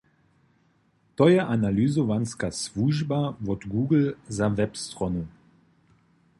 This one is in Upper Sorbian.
To je analyzowanska słužba wot Google za web-strony.